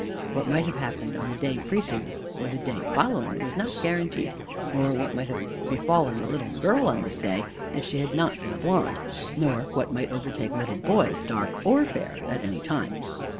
What might have happened on the day preceding or the day following was not guaranteed; nor what might have befallen the little girl on this day if she had not been a blonde; nor what might overtake little boys, dark or fair, at any time.